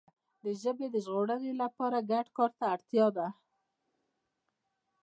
د ژبي د ژغورنې لپاره ګډ کار ته اړتیا ده.